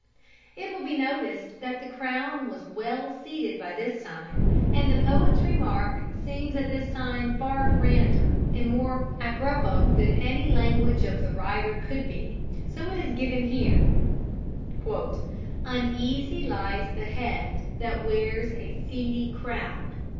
] It will be noticed that the crown was well ceded by this time, and the poet's remark seems at this time far grander and more apropos than any language of the writer could be: so it is given here, viz., "Uneasy lies the head that wears a seedy crown."